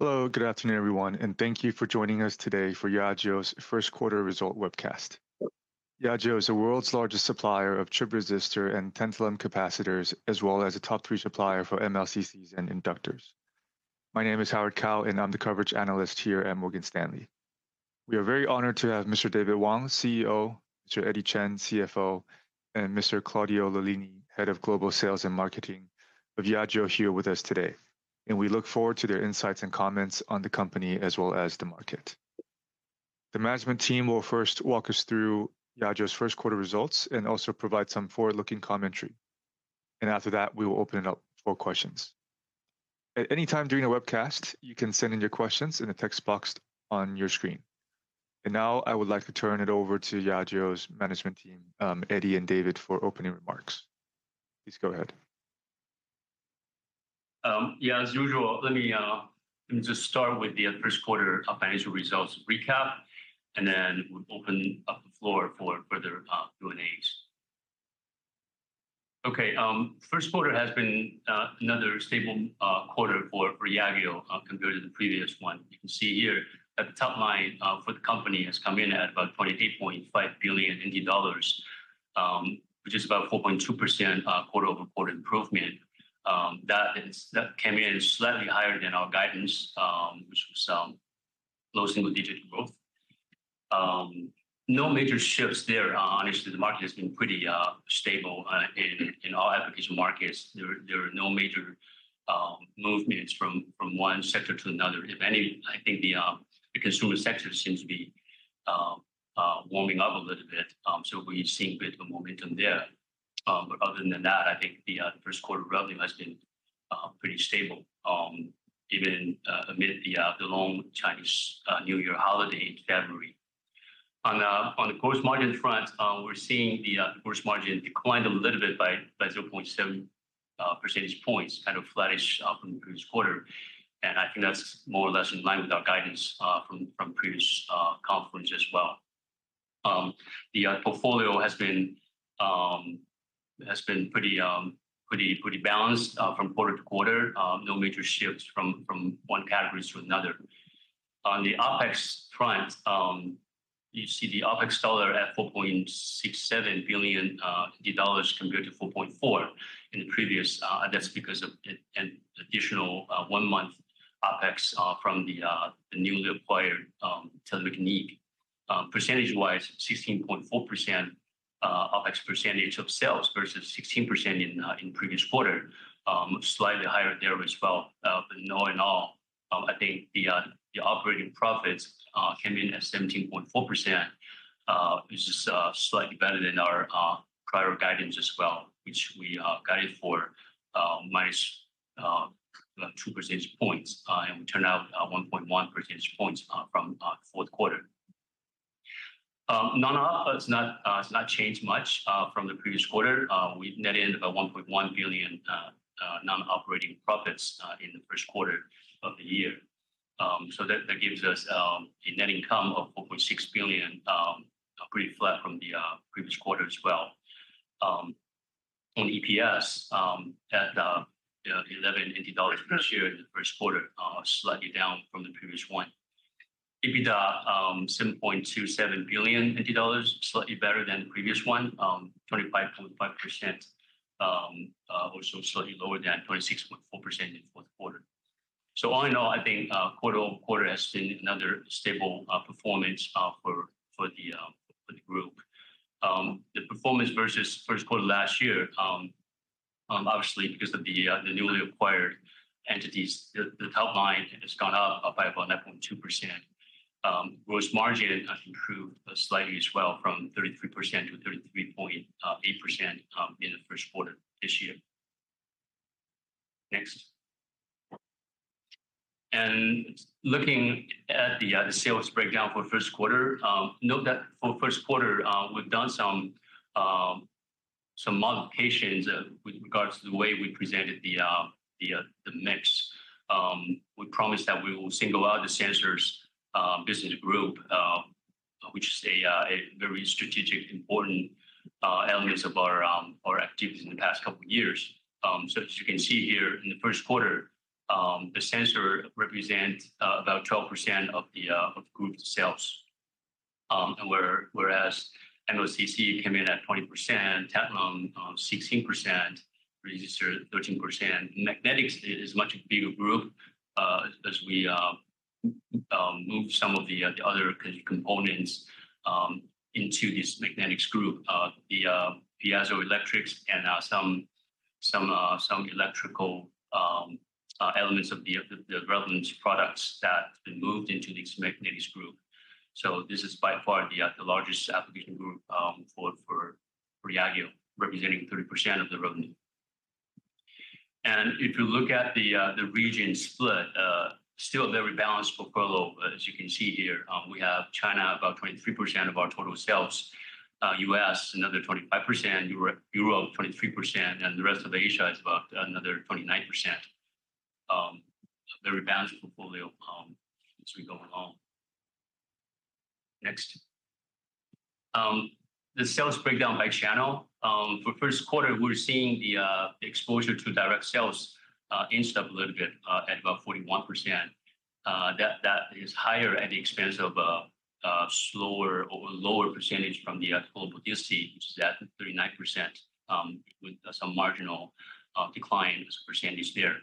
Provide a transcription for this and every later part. Hello. Good afternoon, everyone, and thank you for joining us today for Yageo's first quarter result webcast. Yageo is the world's largest supplier of chip resistor and tantalum capacitors, as well as a top three supplier for MLCCs and inductors. My name is Howard Kao, and I'm the coverage analyst here at Morgan Stanley. We are very honored to have Mr. David Wang, CEO, Mr. Eddie Chen, CFO, and Mr. Claudio Lollini, Head of Global Sales and Marketing of Yageo here with us today, and we look forward to their insights and comments on the company as well as the market. The management team will first walk us through Yageo's first quarter results and also provide some forward-looking commentary. After that, we will open it up for questions. At any time during the webcast, you can send in your questions in the text box on your screen. Now, I would like to turn it over to Yageo's management team, Eddie and David for opening remarks. Please go ahead. Yeah, as usual, let me just start with the first quarter of financial results recap, and then we'll open up the floor for further Q&As. First quarter has been another stable quarter for Yageo compared to the previous one. You can see here at the top line for the company has come in at about 28.5 billion dollars, which is about 4.2% quarter-over-quarter improvement, that came in slightly higher than our guidance, which was low single digit growth. No major shifts there. Honestly, the market has been pretty stable in our application markets. There are no major movements from one sector to another. If any, I think the consumer sector seems to be warming up a little bit, so we've seen a bit of a momentum there. But other than that, I think the first quarter revenue has been pretty stable, even amid the long Chinese New Year holiday in February. On the gross margin front, we're seeing the gross margin declined a little bit by 0.7 percentage points, kind of flattish from the previous quarter. I think that's more or less in line with our guidance from previous conference as well. The portfolio has been pretty balanced from quarter to quarter. No major shifts from one category to another. On the OpEx front, you see the OpEx dollar at 4.67 billion dollars compared to 4.4 in the previous, that's because of an additional one-month OpEx from the newly acquired Telemecanique. Percentage-wise, 16.4% OpEx percentage of sales versus 16% in previous quarter, slightly higher there as well, but all in all, I think the operating profits came in at 17.4%, which is slightly better than our prior guidance as well, which we guided for -2 percentage points, and we turned out 1.1 percentage points from fourth quarter. No, it's not changed much from the previous quarter. We net in about 1.1 billion non-operating profits in the first quarter of the year. That gives us a net income of 4.6 billion, pretty flat from the previous quarter as well. On EPS, you know, 11 dollars per share in the first quarter, slightly down from the previous one. EBITDA 7.27 billion dollars, slightly better than the previous one, 25.5%, also slightly lower than 26.4% in fourth quarter. All in all, I think quarter-over-quarter has been another stable performance for the group. The performance versus first quarter last year, obviously because of the newly acquired entities, the top line has gone up by about 9.2%. Gross margin has improved slightly as well from 33%-33.8% in the first quarter this year. Next. Looking at the sales breakdown for first quarter, note that for first quarter, we've done some modifications with regards to the way we presented the mix. We promised that we will single out the sensors business group, which is a very strategic important elements of our activities in the past couple of years. As you can see here in the first quarter, the sensor represents about 12% of group sales. Whereas MLCC came in at 20%, Tantalum 16%, resistor 13%. Magnetics is much bigger group, as we move some of the other components into this magnetics group. The piezoelectrics and some electrical elements of the relevant products that have been moved into this magnetics group. This is by far the largest application group for Yageo, representing 30% of the revenue. If you look at the region split, still very balanced portfolio, as you can see here. We have China about 23% of our total sales, U.S. another 25%, Europe 23%, and the rest of Asia is about another 29%. Very balanced portfolio, as we go along. Next. The sales breakdown by channel. For first quarter, we're seeing the exposure to direct sales inch up a little bit at about 41%. That is higher at the expense of slower or lower percentage from the global DC, which is at 39%, with some marginal decline as a percentage there.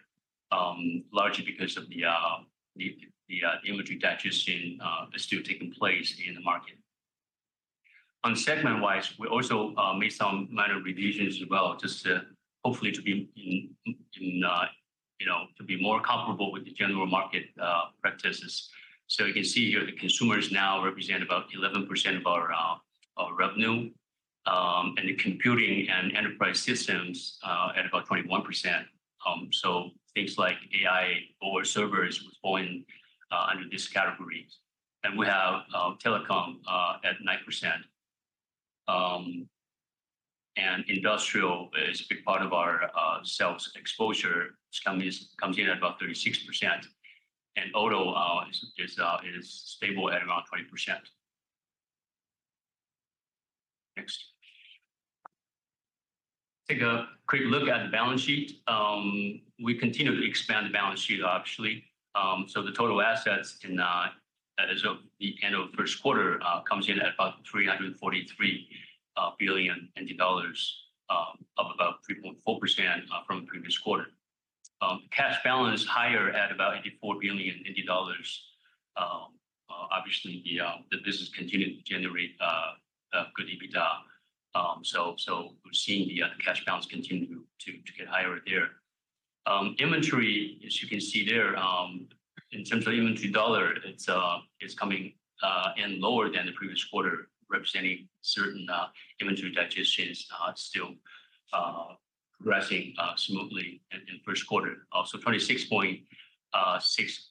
Largely because of the inventory digestion that's still taking place in the market. On segment-wise, we also made some minor revisions as well, just to hopefully to be in line, you know, to be more comparable with the general market practices. You can see here the consumers now represent about 11% of our revenue, and the computing and enterprise systems at about 21%. Things like AI or servers was falling under these categories. We have telecom at 9%. Industrial is a big part of our sales exposure, which comes in at about 36%. Auto is stable at around 20%. Next. Take a quick look at the balance sheet. We continue to expand the balance sheet, actually. The total assets at the end of first quarter comes in at about 343 billion dollars, up about 3.4% from the previous quarter. Cash balance higher at about 84 billion dollars. Obviously the business continued to generate good EBITDA. We're seeing the cash balance continue to get higher there. Inventory, as you can see there, in terms of inventory dollar, it's coming in lower than the previous quarter, representing certain inventory digestions still progressing smoothly in first quarter. Also 26.6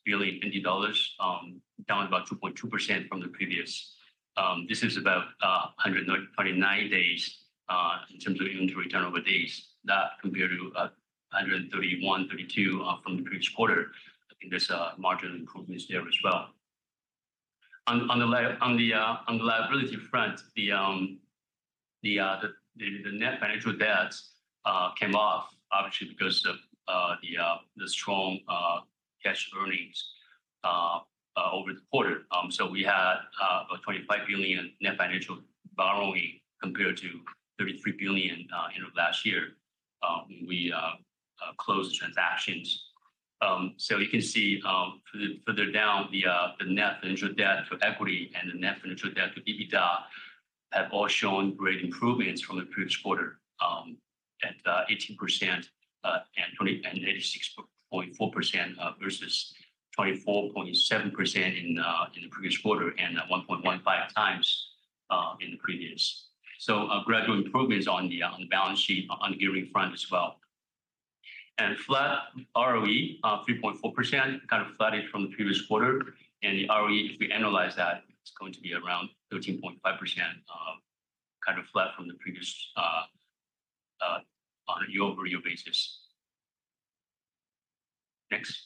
billion dollars, down about 2.2% from the previous. This is about 199 days in terms of inventory turnover days. That compared to 131-132 from the previous quarter. I think there's marginal improvements there as well. On the liability front, the net financial debts came off obviously because of the strong cash earnings over the quarter. We had a 25 billion net financial borrowing compared to 33 billion end of last year. We closed the transactions. You can see further down the net financial debt to equity and the net financial debt to EBITDA have all shown great improvements from the previous quarter at 18% and 86.4% Versus 24.7% in the previous quarter and at 1.15x in the previous. A gradual improvements on the balance sheet on gearing front as well. Flat ROE 3.4%, kind of flat-ish from the previous quarter. The ROE, if we annualize that, it's going to be around 13.5%, kind of flat from the previous on a year-over-year basis. Next.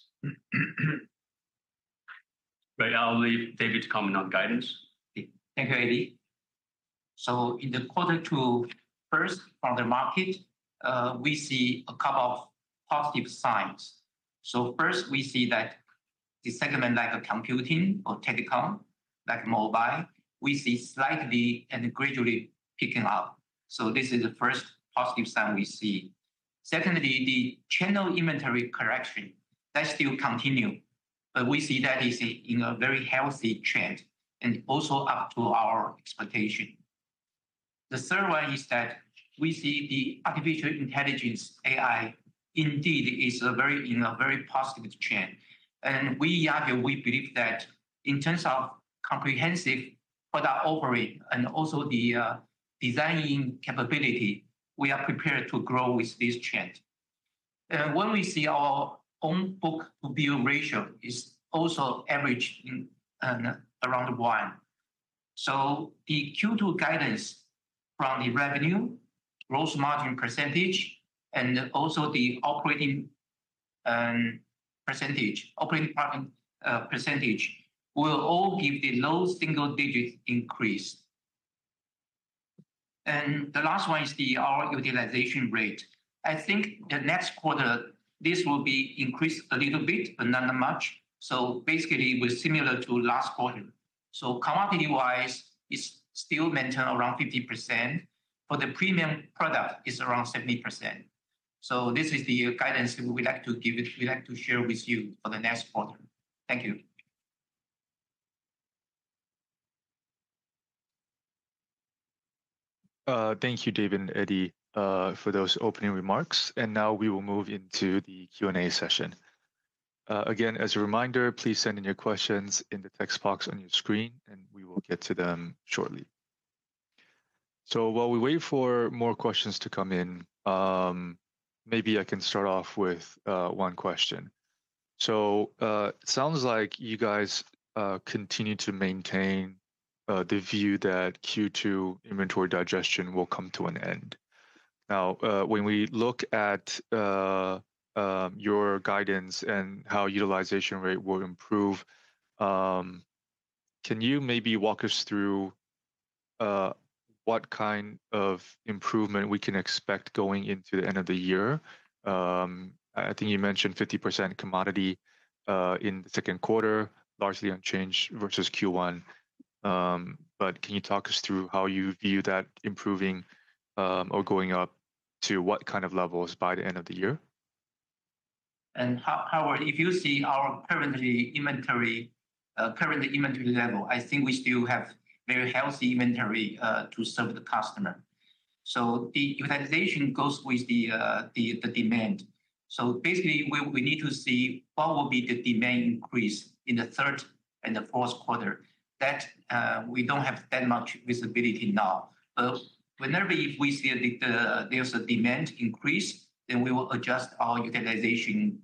Right, I'll leave David to comment on guidance. Thank you, Eddie. In quarter two, first from the market, we see a couple of positive signs. First we see that the segment like computing or telecom, like mobile, we see slightly and gradually picking up. This is the first positive sign we see. Secondly, the channel inventory correction that still continue, but we see that is in a very healthy trend and also up to our expectation. The third one is that we see the artificial intelligence, AI, indeed is in a very positive trend. We argue, we believe that in terms of comprehensive product offering and also the designing capability, we are prepared to grow with this trend. When we see our own book-to-bill ratio is also average in around one. The Q2 guidance from the revenue, gross margin percentage, and also the operating profit percentage, will all give the low single digits increase. The last one is our utilization rate. I think the next quarter, this will be increased a little bit, but not much. Basically, it was similar to last quarter. Commodity-wise, it's still maintain around 50%. For the premium product, it's around 70%. This is the guidance we would like to share with you for the next quarter. Thank you. Thank you, David and Eddie, for those opening remarks. Now we will move into the Q&A session. Again, as a reminder, please send in your questions in the text box on your screen, and we will get to them shortly. While we wait for more questions to come in, maybe I can start off with one question. Sounds like you guys continue to maintain the view that Q2 inventory digestion will come to an end. Now, when we look at your guidance and how utilization rate will improve, can you maybe walk us through what kind of improvement we can expect going into the end of the year? I think you mentioned 50% commodity in the second quarter, largely unchanged versus Q1. Can you talk us through how you view that improving or going up to what kind of levels by the end of the year? Howard, if you see our current inventory level, I think we still have very healthy inventory to serve the customer. The utilization goes with the demand. Basically we need to see what will be the demand increase in the third and the fourth quarter. We don't have that much visibility now. Whenever if we see there's a demand increase, then we will adjust our utilization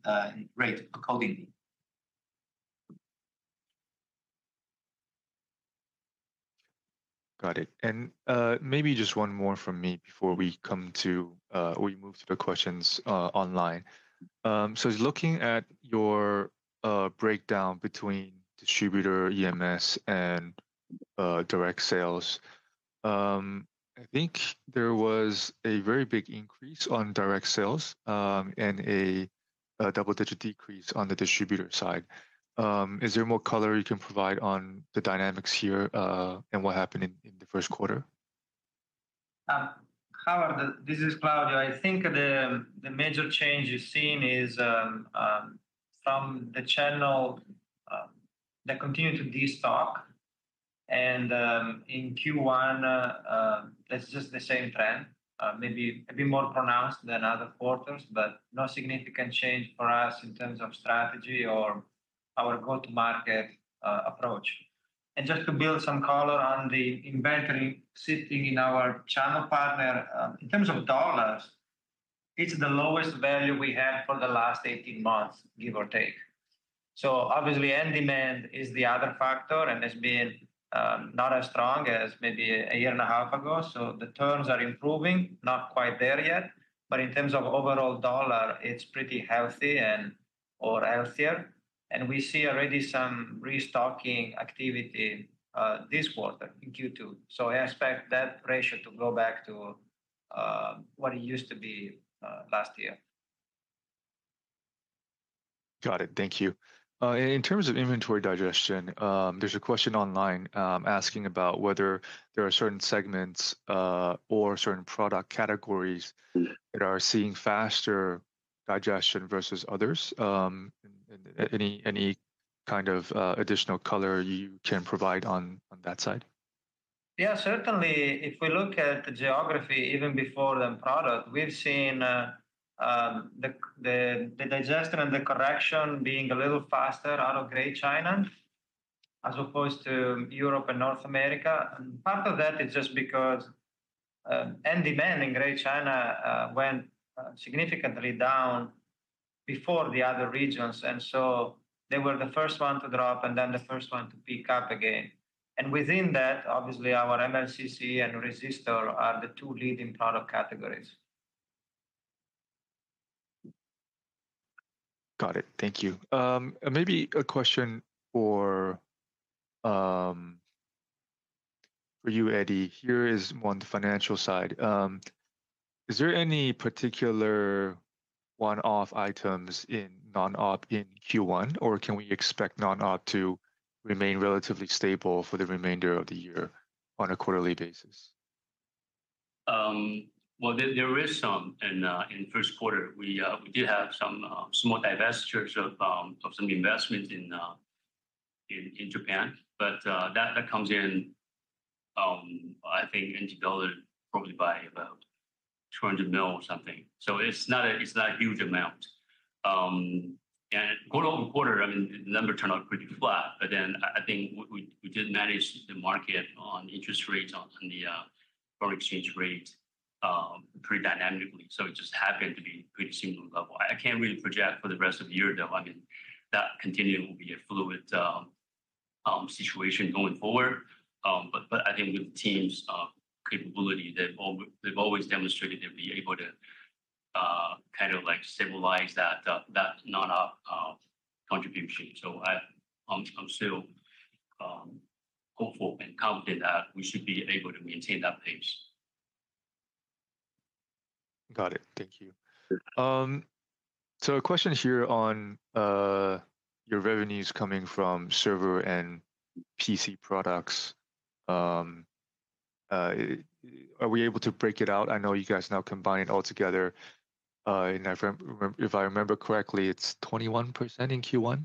rate accordingly. Got it. Maybe just one more from me before we move to the questions online. Just looking at your breakdown between distributor, EMS and direct sales, I think there was a very big increase on direct sales, and a double-digit decrease on the distributor side. Is there more color you can provide on the dynamics here, and what happened in the first quarter? Howard, this is Claudio. I think the major change you're seeing is from the channel that continue to de-stock. In Q1, that's just the same trend, maybe a bit more pronounced than other quarters, but no significant change for us in terms of strategy or our go-to-market approach. Just to build some color on the inventory sitting in our channel partner, in terms of dollars, it's the lowest value we had for the last 18 months, give or take. Obviously, end demand is the other factor, and it's been not as strong as maybe a year and a half ago. The trends are improving, not quite there yet. In terms of overall dollar, it's pretty healthy and or healthier. We see already some restocking activity this quarter in Q2. I expect that ratio to go back to what it used to be last year. Got it. Thank you. In terms of inventory digestion, there's a question online asking about whether there are certain segments or certain product categories that are seeing faster digestion versus others. Any kind of additional color you can provide on that side? Yeah, certainly. If we look at the geography even before the product, we've seen the digestion and the correction being a little faster out of Greater China as opposed to Europe and North America. Part of that is just because end demand in Greater China went significantly down before the other regions. They were the first one to drop and then the first one to pick up again. Within that, obviously our MLCC and resistor are the two leading product categories. Got it. Thank you. Maybe a question for you, Eddie. Here is one financial side. Is there any particular one-off items in non-op in Q1, or can we expect non-op to remain relatively stable for the remainder of the year on a quarterly basis? Well, there is some in first quarter. We did have some small divestitures of some investment in Japan. That comes in, I think into dollars probably by about $200 million or something. It's not a huge amount. Quarter-over-quarter, I mean, the number turned out pretty flat. Then I think we did manage the market on interest rates on the foreign exchange rate pretty dynamically. It just happened to be pretty similar level. I can't really project for the rest of the year, though. I mean, that continue will be a fluid situation going forward. I think with the team's capability, they've always demonstrated they'll be able to kind of like stabilize that non-op contribution. I'm still hopeful and confident that we should be able to maintain that pace. Got it. Thank you. A question here on your revenues coming from server and PC products. Are we able to break it out? I know you guys now combine it all together. If I remember correctly, it's 21% in Q1?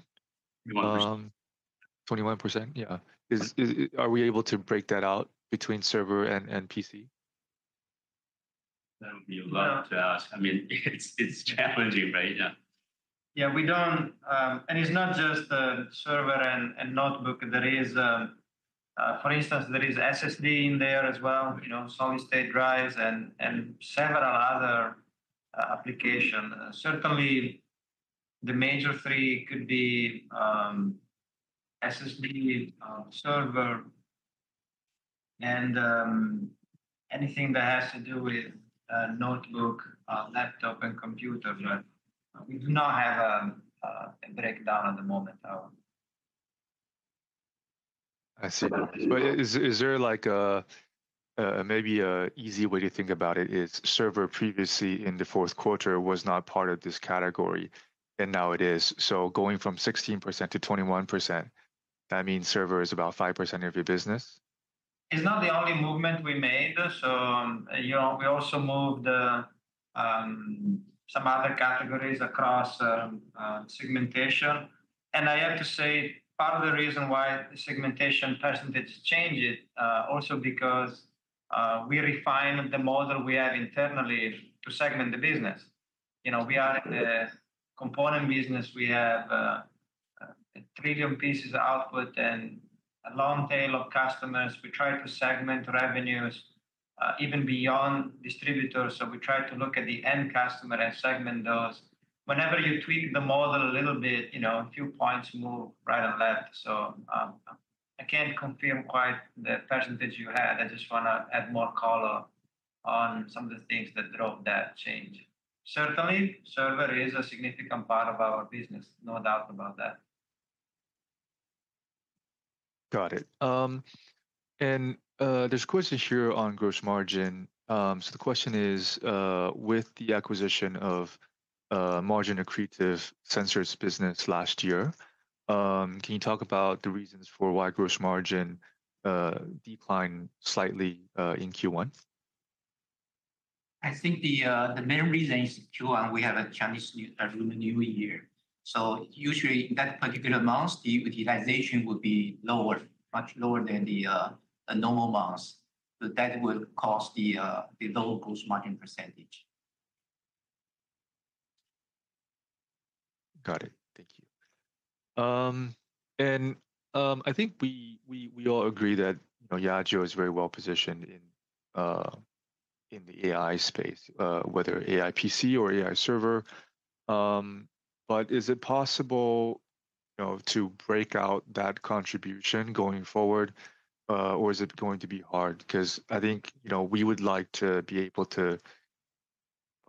21%. 21%? Yeah. Are we able to break that out between server and PC? That would be a lot to ask. I mean, it's challenging, right? Yeah. Yeah, we don't. It's not just the server and notebook. For instance, there is SSD in there as well, you know, solid state drives and several other Certainly the major three could be SSD, server and anything that has to do with notebook, laptop and computer. We do not have a breakdown at the moment, Howard. I see. Is there like a maybe an easy way to think about it? Server previously in the fourth quarter was not part of this category, and now it is. So going from 16%-21%, that means server is about 5% of your business? It's not the only movement we made. You know, we also moved some other categories across segmentation. I have to say part of the reason why the segmentation percentage changed also because we refined the model we have internally to segment the business. You know, we are in the component business. We have a trillion pieces of output and a long tail of customers. We try to segment revenues even beyond distributors. We try to look at the end customer and segment those. Whenever you tweak the model a little bit, you know, a few points move right or left. I can't confirm quite the percentage you had. I just wanna add more color on some of the things that drove that change. Certainly, server is a significant part of our business, no doubt about that. Got it. There's questions here on gross margin. The question is, with the acquisition of margin-accretive sensors business last year, can you talk about the reasons for why gross margin declined slightly in Q1? I think the main reason is Q1, we have a Lunar New Year. Usually in that particular month, the utilization would be lower, much lower than the normal months. That would cause the low gross margin percentage. Got it. Thank you. I think we all agree that, you know, Yageo is very well positioned in the AI space, whether AI PC or AI server. Is it possible, you know, to break out that contribution going forward, or is it going to be hard? 'Cause I think, you know, we would like to be able to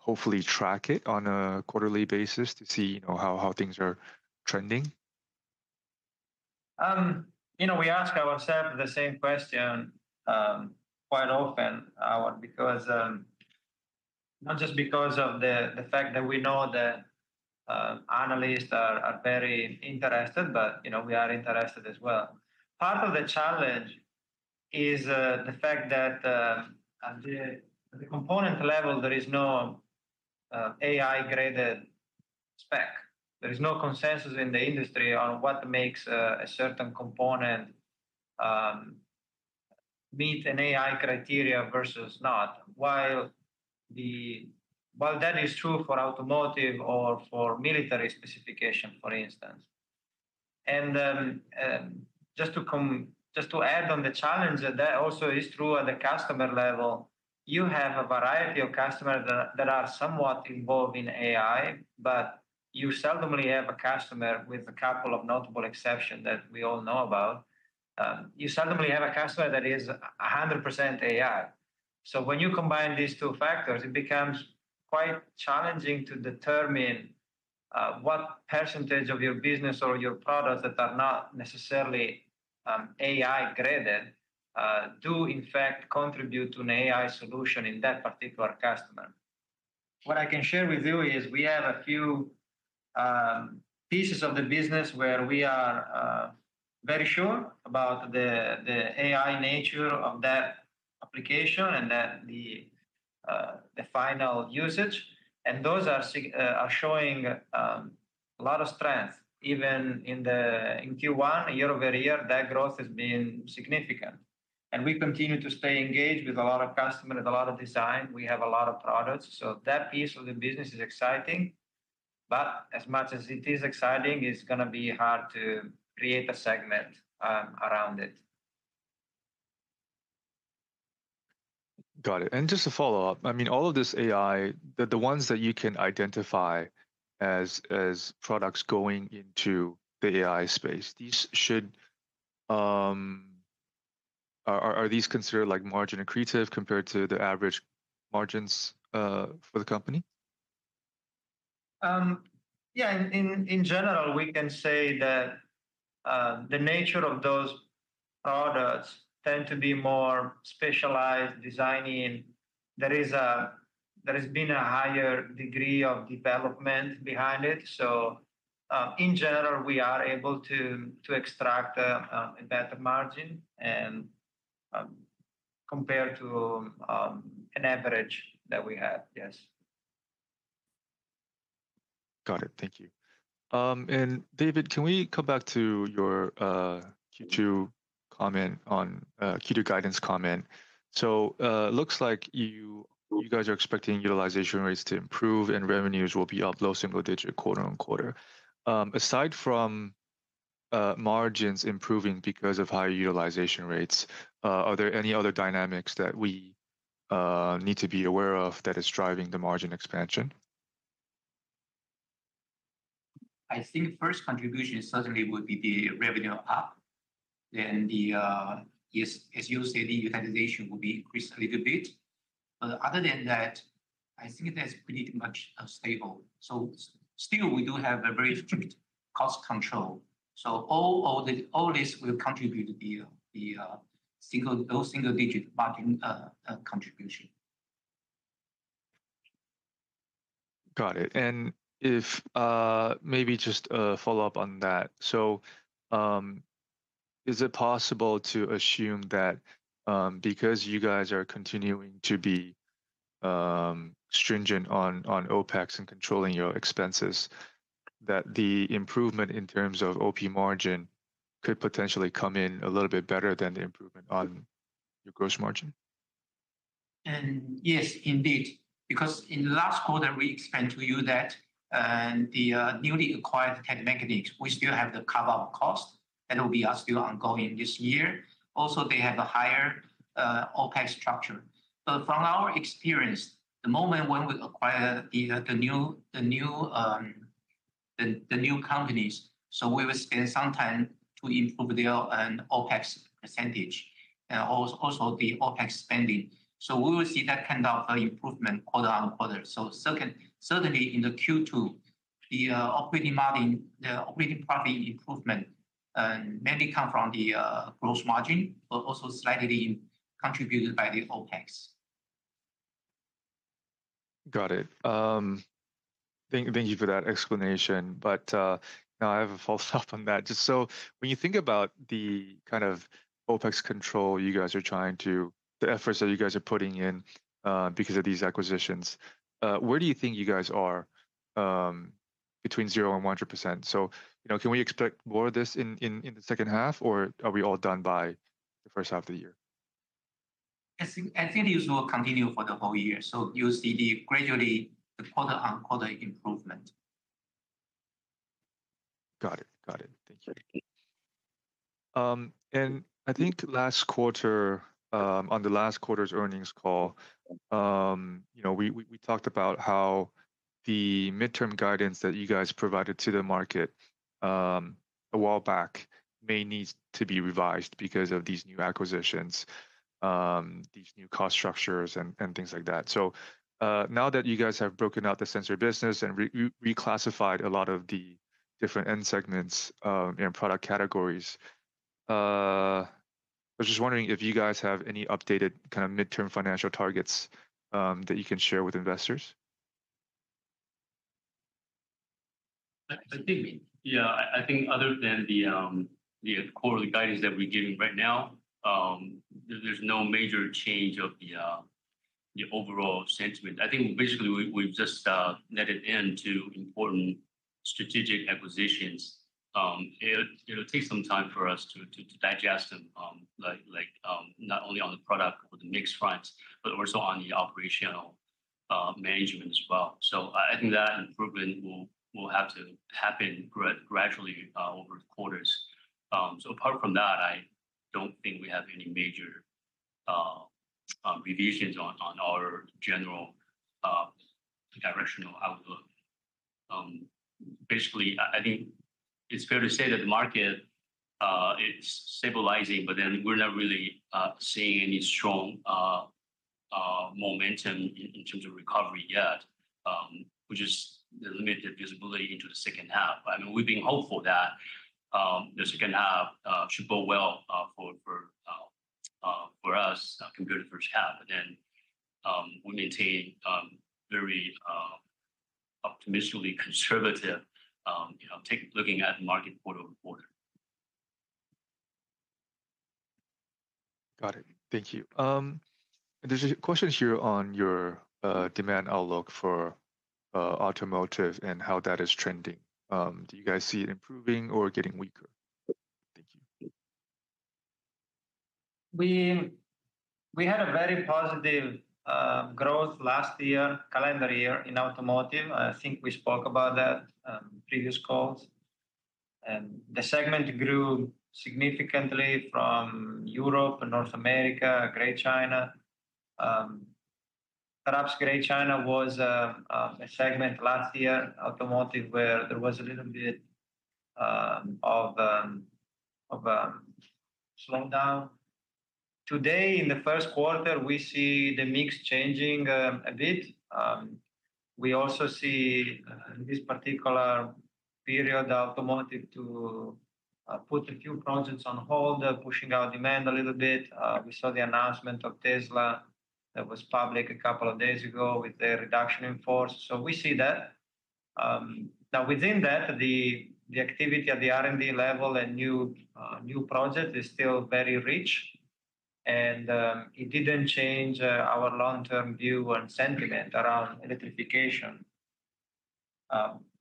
hopefully track it on a quarterly basis to see, you know, how things are trending. You know, we ask ourselves the same question quite often, Howard. Not just because of the fact that we know the analysts are very interested, but you know, we are interested as well. Part of the challenge is the fact that at the component level, there is no AI graded spec. There is no consensus in the industry on what makes a certain component meet an AI criteria versus not, while that is true for automotive or for military specification, for instance. Just to add on the challenge, that also is true at the customer level. You have a variety of customers that are somewhat involved in AI, but you seldom have a customer with a couple of notable exceptions that we all know about. You seldomly have a customer that is 100% AI. When you combine these two factors, it becomes quite challenging to determine what percentage of your business or your products that are not necessarily AI graded do in fact contribute to an AI solution in that particular customer. What I can share with you is we have a few pieces of the business where we are very sure about the AI nature of that application and the final usage. Those are showing a lot of strength. Even in Q1, year-over-year, that growth has been significant. We continue to stay engaged with a lot of customers, a lot of design. We have a lot of products. That piece of the business is exciting. As much as it is exciting, it's gonna be hard to create a segment around it. Got it. Just to follow-up, I mean, all of this AI, the ones that you can identify as products going into the AI space, are these considered like margin accretive compared to the average margins for the company? Yeah. In general, we can say that the nature of those products tend to be more specialized designing. There has been a higher degree of development behind it. In general, we are able to extract a better margin compared to an average that we have. Yes. Got it. Thank you. David, can we come back to your Q2 guidance comment? Looks like you guys are expecting utilization rates to improve and revenues will be up low single digit quarter-over-quarter. Aside from margins improving because of high utilization rates, are there any other dynamics that we need to be aware of that is driving the margin expansion? I think first contribution certainly would be the revenue up, then yes, as you say, the utilization will be increased a little bit. Other than that, I think that's pretty much stable. Still we do have a very strict cost control. All this will contribute to the single digit margin contribution. Got it. If maybe just a follow-up on that, is it possible to assume that because you guys are continuing to be stringent on OpEx and controlling your expenses, that the improvement in terms of OP margin could potentially come in a little bit better than the improvement on your gross margin? Yes, indeed, because in last quarter, we explained to you that the newly acquired Telemecanique, we still have the carve-out cost that will be still ongoing this year. Also, they have a higher OpEx structure. But from our experience, the moment when we acquire the new companies, so we will spend some time to improve their OpEx percentage, also the OpEx spending. We will see that kind of improvement quarter-over-quarter. Second, certainly in the Q2, the operating margin, the operating profit improvement mainly come from the gross margin, but also slightly contributed by the OpEx. Got it. Thank you for that explanation. Now I have a follow-up on that. Just so when you think about the efforts that you guys are putting in because of these acquisitions, where do you think you guys are between 0 and 100%? You know, can we expect more of this in the second half, or are we all done by the first half of the year? I think this will continue for the whole year. You'll see the gradual quarter-on-quarter improvement. Got it. Thank you. I think last quarter, on the last quarter's earnings call, you know we talked about how the midterm guidance that you guys provided to the market a while back may need to be revised because of these new acquisitions, these new cost structures and things like that. Now that you guys have broken out the sensor business and reclassified a lot of the different end segments and product categories, I was just wondering if you guys have any updated kind of midterm financial targets that you can share with investors. I think, yeah, I think other than the quarterly guidance that we're giving right now, there's no major change of the overall sentiment. I think basically we've just netted in to important strategic acquisitions. It'll take some time for us to digest them, like, not only on the product or the mix front, but also on the operational management as well. I think that improvement will have to happen gradually over quarters. Apart from that, I don't think we have any major revisions on our general directional outlook. Basically, I think it's fair to say that the market is stabilizing, but then we're not really seeing any strong momentum in terms of recovery yet, which is the limited visibility into the second half. I mean, we've been hopeful that the second half should go well for us compared to first half. We maintain very optimistically conservative, you know, looking at market quarter-over-quarter. Got it. Thank you. There's a question here on your demand outlook for automotive and how that is trending. Do you guys see it improving or getting weaker? Thank you. We had a very positive growth last year, calendar year in automotive. I think we spoke about that previous calls. The segment grew significantly from Europe and North America, Greater China. Perhaps Greater China was a segment last year, automotive, where there was a little bit of slowdown. Today in the first quarter, we see the mix changing a bit. We also see in this particular period, automotive to put a few projects on hold pushing our demand a little bit. We saw the announcement of Tesla that was public a couple of days ago with their reduction in force. We see that. Now within that, the activity at the R&D level and new project is still very rich, and it didn't change our long-term view and sentiment around electrification.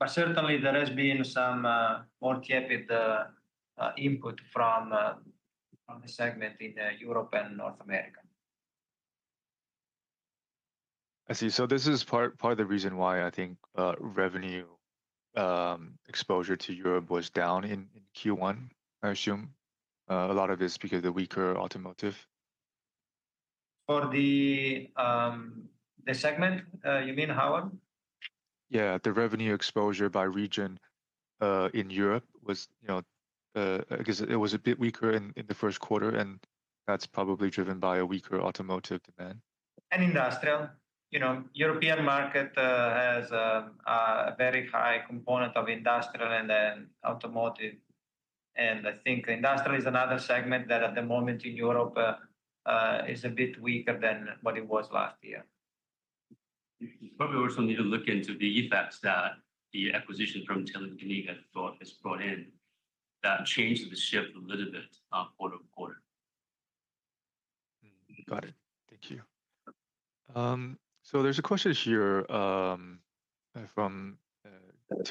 Certainly there has been some more cautious input from the segment in Europe and North America. I see. This is part of the reason why I think revenue exposure to Europe was down in Q1, I assume a lot of it's because the weaker automotive. For the segment, you mean, Howard? Yeah. The revenue exposure by region in Europe was, you know, I guess it was a bit weaker in the first quarter, and that's probably driven by a weaker automotive demand. Industrial. You know, European market has a very high component of industrial and then automotive. I think industrial is another segment that at the moment in Europe is a bit weaker than what it was last year. Probably we also need to look into the effects that the acquisition from Telemecanique Sensors has brought in that changed the shift a little bit, quarter-over-quarter. Got it. Thank you. There's a question here to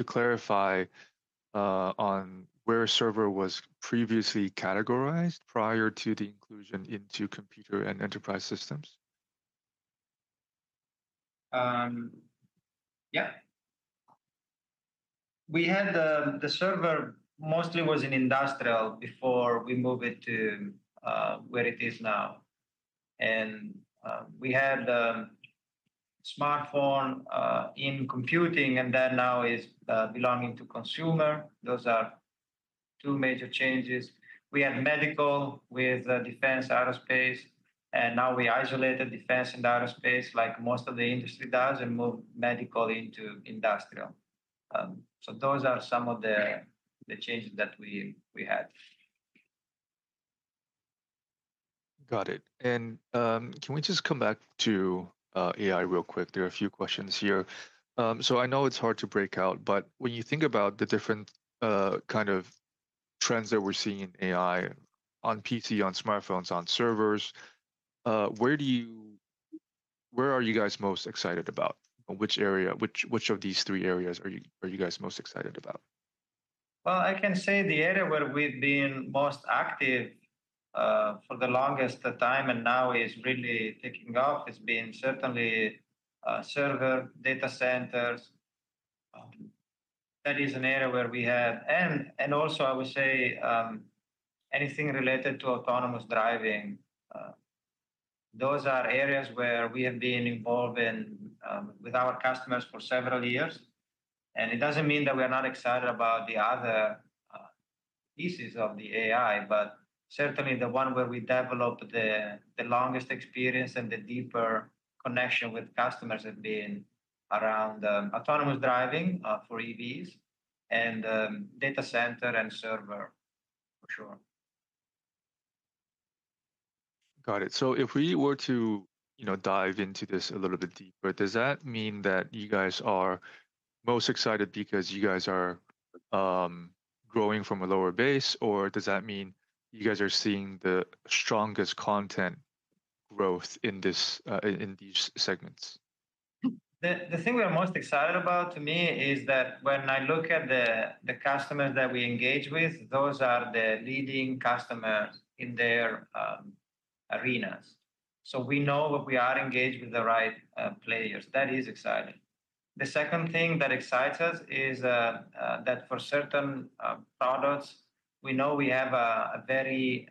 clarify on where server was previously categorized prior to the inclusion into computer and enterprise systems. Yeah. We had the server mostly was in industrial before we moved it to where it is now. We had smartphone in computing, and that now is belonging to consumer. Those are two major changes. We had medical with defense aerospace, and now we isolated defense and aerospace like most of the industry does and moved medical into industrial. Those are some of the changes that we had. Got it. Can we just come back to AI real quick? There are a few questions here. So I know it's hard to break out, but when you think about the different kind of trends that we're seeing in AI on PC, on smartphones, on servers, where are you guys most excited about? Which of these three areas are you guys most excited about? Well, I can say the area where we've been most active, for the longest time and now is really taking off has been certainly, server data centers. That is an area where we have and also I would say, anything related to autonomous driving. Those are areas where we have been involved in, with our customers for several years. It doesn't mean that we are not excited about the other, pieces of the AI, but certainly the one where we developed the longest experience and the deeper connection with customers have been around, autonomous driving, for EVs and, data center and server, for sure. Got it. If we were to, you know, dive into this a little bit deeper, does that mean that you guys are most excited because you guys are growing from a lower base, or does that mean you guys are seeing the strongest content growth in these segments? The thing we are most excited about, to me, is that when I look at the customers that we engage with, those are the leading customers in their arenas. So we know that we are engaged with the right players. That is exciting. The second thing that excites us is that for certain products, we know we have a very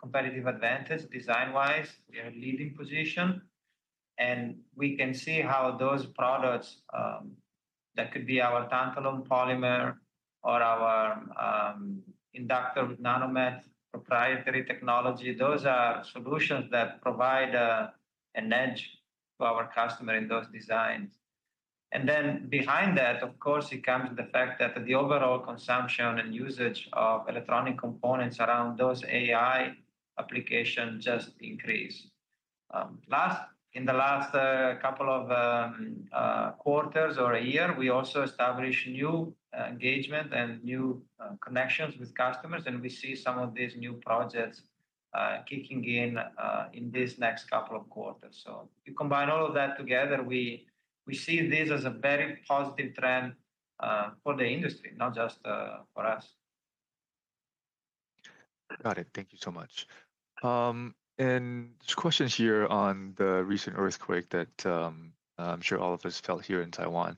competitive advantage design-wise. We are in leading position. We can see how those products, that could be our tantalum polymer or our inductor with NANOMET proprietary technology, those are solutions that provide an edge to our customer in those designs. Behind that, of course, it comes the fact that the overall consumption and usage of electronic components around those AI applications just increase. In the last couple of quarters or a year, we also established new engagement and new connections with customers, and we see some of these new projects kicking in in this next couple of quarters. You combine all of that together, we see this as a very positive trend for the industry, not just for us. Got it. Thank you so much. There's questions here on the recent earthquake that I'm sure all of us felt here in Taiwan.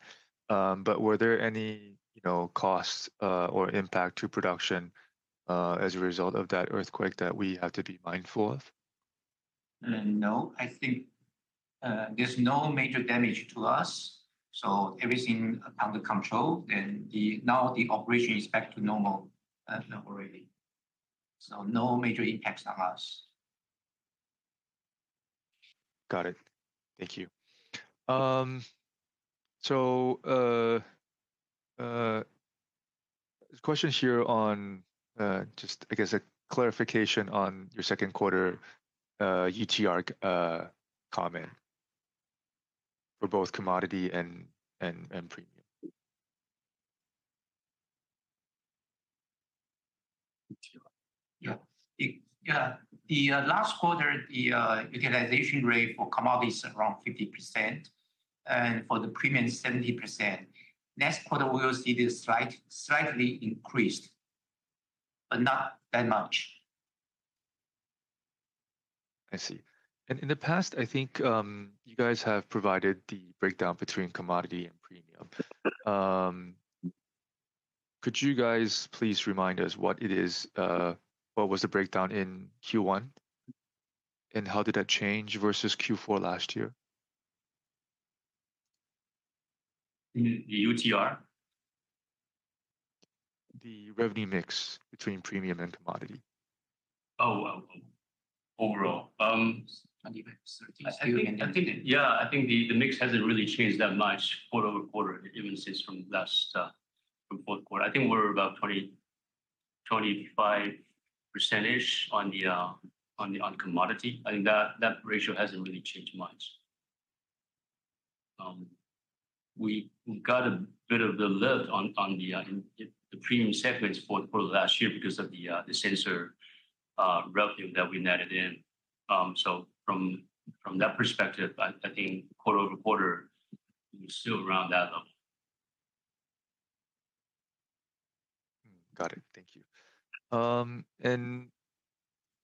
Were there any, you know, costs or impact to production as a result of that earthquake that we have to be mindful of? No. I think, there's no major damage to us, so everything under control. Now the operation is back to normal, already. No major impacts on us. Got it. Thank you. There's questions here on just, I guess, a clarification on your second quarter UTR comment for both commodity and premium. The last quarter, the utilization rate for commodity is around 50%, and for the premium, 70%. Next quarter, we will see this slightly increased, but not that much. I see. In the past, I think, you guys have provided the breakdown between commodity and premium. Could you guys please remind us what it is, what was the breakdown in Q1, and how did that change versus Q4 last year? In the UTR? The revenue mix between premium and commodity. Oh, well, overall. 25, 32. I think the mix hasn't really changed that much quarter-over-quarter, even since from last report quarter. I think we're about 25%-ish on the commodity. I think that ratio hasn't really changed much. We got a bit of a lift in the premium segments for last year because of the sensor revenue that we netted in. From that perspective, I think quarter-over-quarter, we're still around that level. Got it. Thank you.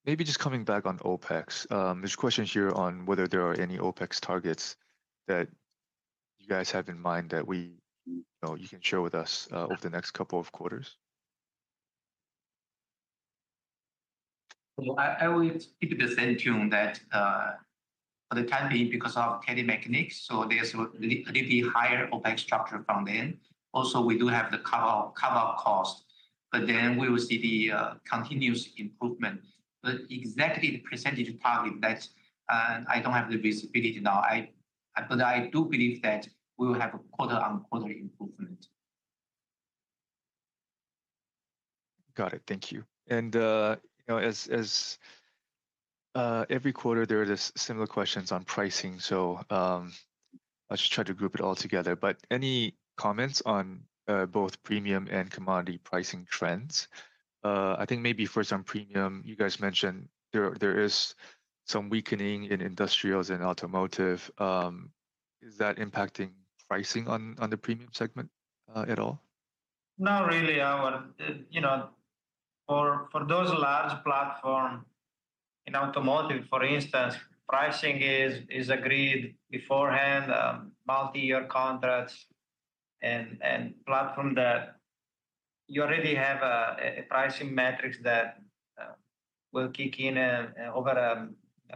Maybe just coming back on OpEx. There's a question here on whether there are any OpEx targets that you guys have in mind that we, you know, you can share with us, over the next couple of quarters. I will keep it the same tune that for the time being because of acquisition mechanics, so there's a little bit higher OpEx structure from them. Also, we do have the acquisition cost, but then we will see the continuous improvement. Exactly the percentage target that I don't have the visibility now. I do believe that we will have a quarter-over-quarter improvement. Got it. Thank you. You know, as every quarter there is similar questions on pricing, so I'll just try to group it all together. Any comments on both premium and commodity pricing trends? I think maybe for some premium, you guys mentioned there is some weakening in industrials and automotive. Is that impacting pricing on the premium segment at all? Not really, Howard. You know, for those large platform in automotive, for instance, pricing is agreed beforehand, multi-year contracts and platform that you already have a pricing metrics that will kick in over a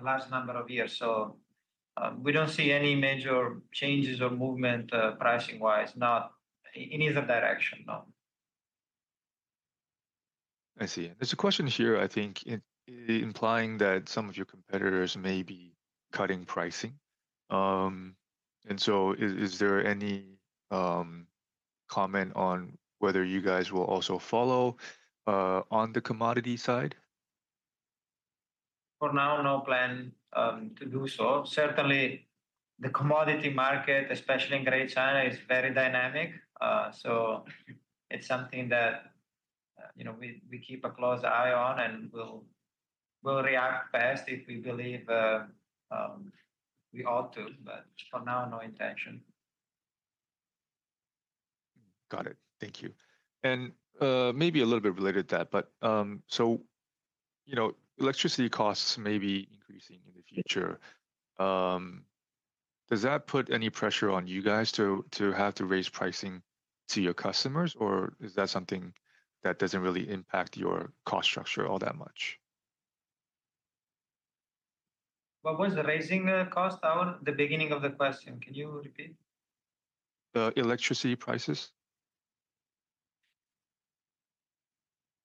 large number of years. We don't see any major changes or movement, pricing-wise, not in either direction, no. I see. There's a question here, I think, implying that some of your competitors may be cutting pricing. Is there any comment on whether you guys will also follow on the commodity side? For now, no plan to do so. Certainly, the commodity market, especially in Greater China, is very dynamic. It's something that, you know, we keep a close eye on and we'll react fast if we believe we ought to, but for now, no intention. Got it. Thank you. Maybe a little bit related to that, but so, you know, electricity costs may be increasing in the future. Does that put any pressure on you guys to have to raise pricing to your customers, or is that something that doesn't really impact your cost structure all that much? What was the raising the cost? Howard, the beginning of the question, can you repeat? The electricity prices.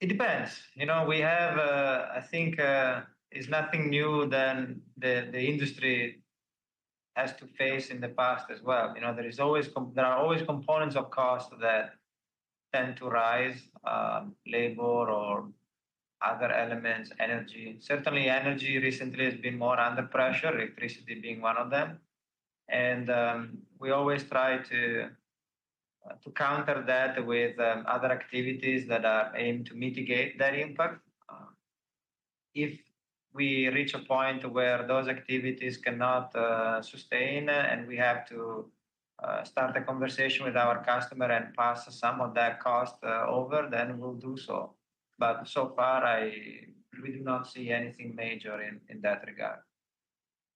It depends. You know, we have. I think it's nothing new to the industry has to face in the past as well. You know, there are always components of cost that tend to rise, labor or other elements, energy. Certainly, energy recently has been more under pressure, electricity being one of them. We always try to counter that with other activities that are aimed to mitigate that impact. If we reach a point where those activities cannot sustain and we have to start a conversation with our customer and pass some of that cost over, then we'll do so. So far, we do not see anything major in that regard.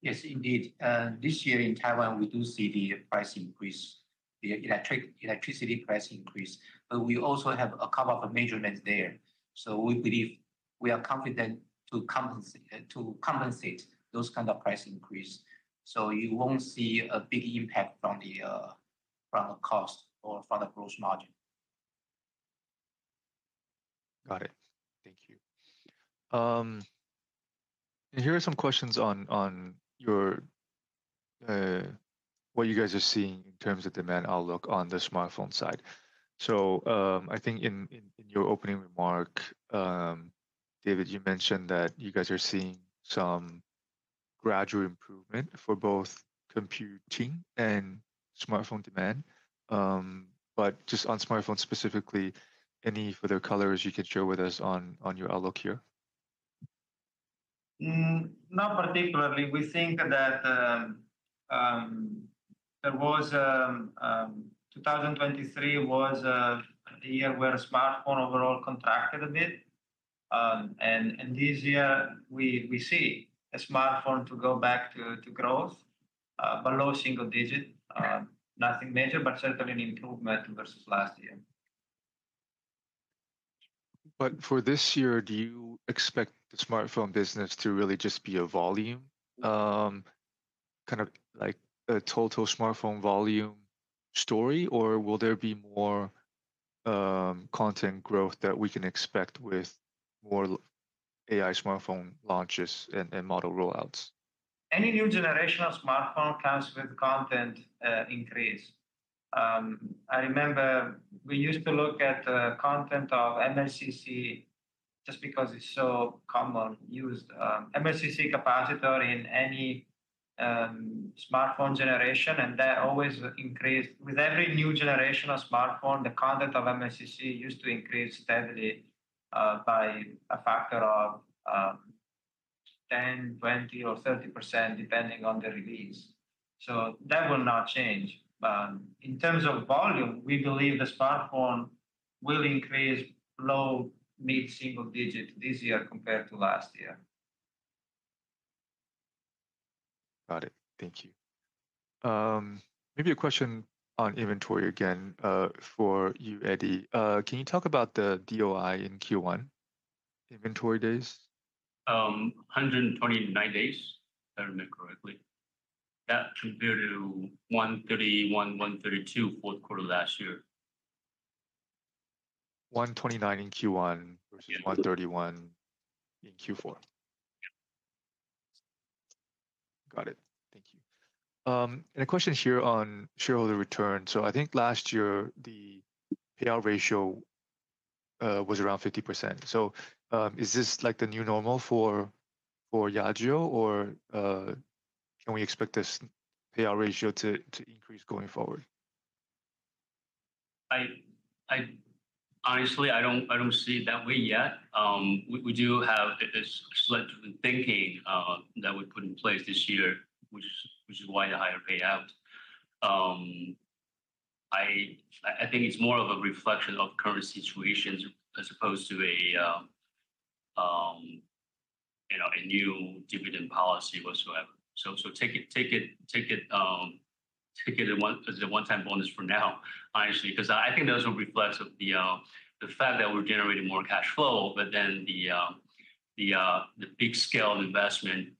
Yes, indeed. This year in Taiwan, we do see the price increase, the electricity price increase, but we also have a couple of measures there. We believe we are confident to compensate those kind of price increase. You won't see a big impact from the cost or from the gross margin. Got it. Thank you. Here are some questions on your what you guys are seeing in terms of demand outlook on the smartphone side. I think in your opening remark, David, you mentioned that you guys are seeing some gradual improvement for both computing and smartphone demand. Just on smartphone specifically, any further colors you can share with us on your outlook here? Not particularly. We think that. 2023 was the year where smartphone overall contracted a bit. This year we see a smartphone to go back to growth below single digit. Nothing major, but certainly an improvement versus last year. For this year, do you expect the smartphone business to really just be a volume, kind of like a total smartphone volume story? Or will there be more, content growth that we can expect with more AI smartphone launches and model rollouts? Any new generation of smartphone comes with content increase. I remember we used to look at the content of MLCC just because it's so common. We used MLCC capacitor in any smartphone generation, and that always increased. With every new generation of smartphone, the content of MLCC used to increase steadily by a factor of 10%, 20% or 30%, depending on the release. That will not change. In terms of volume, we believe the smartphone will increase low mid-single digit this year compared to last year. Got it. Thank you. Maybe a question on inventory again, for you, Eddie. Can you talk about the DOI in Q1 inventory days? 129 days, if I remember correctly. That compared to 131, 132 fourth quarter last year. 129 in Q1 versus 131 in Q4. Got it. Thank you. A question here on shareholder return. I think last year the payout ratio was around 50%. Is this like the new normal for Yageo or can we expect this payout ratio to increase going forward? Honestly, I don't see it that way yet. We do have this shift in thinking that we put in place this year, which is why the higher payout. I think it's more of a reflection of current situations as opposed to, you know, a new dividend policy whatsoever. Take it as a one-time bonus for now, honestly, 'cause I think those will reflect the fact that we're generating more cash flow, but then the big scale investment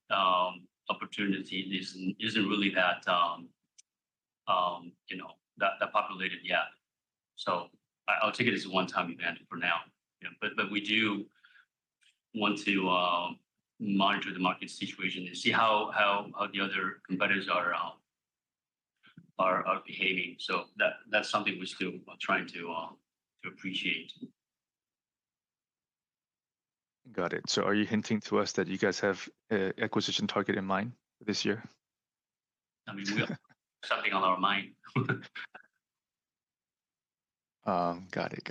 opportunity isn't really that, you know, that popular yet. I'll take it as a one-time event for now. You know? We do want to monitor the market situation and see how the other competitors are behaving. That's something we're still trying to appreciate. Got it. Are you hinting to us that you guys have an acquisition target in mind this year? I mean, we have something on our mind. Got it.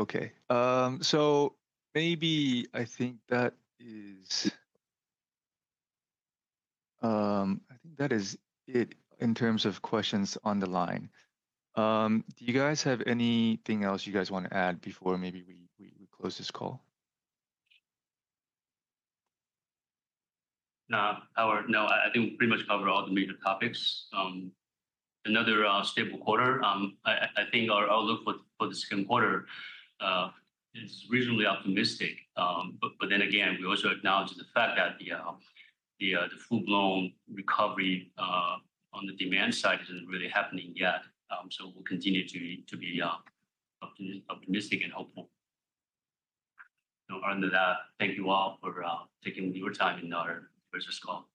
Okay. I think that is it in terms of questions on the line. Do you guys have anything else you guys wanna add before maybe we close this call? No, I think we pretty much covered all the major topics. Another stable quarter. I think our outlook for the second quarter is reasonably optimistic. But then again, we also acknowledge the fact that the full-blown recovery on the demand side isn't really happening yet. We'll continue to be optimistic and helpful. With that, thank you all for taking your time in our investor call.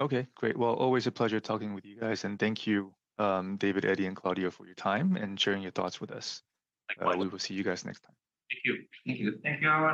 Okay, great. Well, always a pleasure talking with you guys, and thank you, David, Eddie and Claudio, for your time and sharing your thoughts with us. Thank you. We will see you guys next time. Thank you. Thank you. Thank you, everyone.